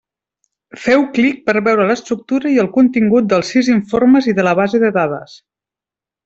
Feu clic per veure l'estructura i el contingut dels sis informes i de la base de dades.